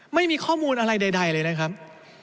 ไม่มีข้อมูลอะไรใดเลยนะครับ